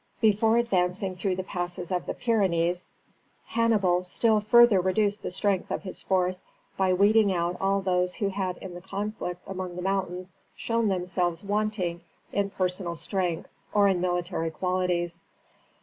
Before advancing through the passes of the Pyrenees Hannibal still further reduced the strength of his force by weeding out all those who had in the conflict among the mountains shown themselves wanting in personal strength or in military qualities.